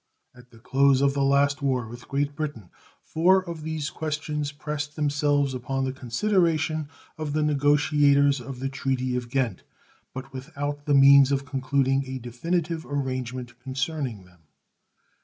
At the close of the last war with Great Britain four of these questions pressed themselves upon the consideration of the negotiators of the treaty of Ghent, but without the means of concluding a definitive arrangement concerning them.